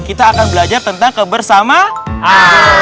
kita akan belajar tentang kebersamaan